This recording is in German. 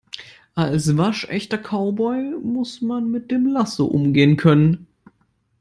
Als waschechter Cowboy muss man mit dem Lasso umgehen können.